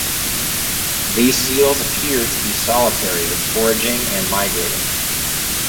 These seals appear to be solitary when foraging and migrating.